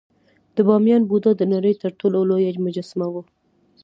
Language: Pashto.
د بامیان بودا د نړۍ تر ټولو لویه مجسمه وه